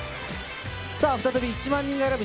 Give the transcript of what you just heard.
さあ、再び１万人が選ぶ！